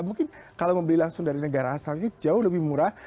mungkin kalau membeli langsung dari negara asalnya jauh lebih murah